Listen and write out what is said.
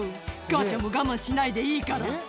「母ちゃんも我慢しないでいいから」